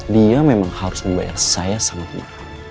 dia memang harus membayar saya sama mama